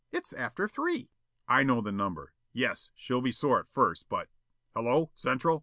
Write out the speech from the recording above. It's after three." "I know the number. Yes, she'll be sore at first, but Hello Central?"